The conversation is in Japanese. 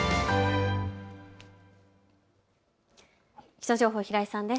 気象情報、平井さんです。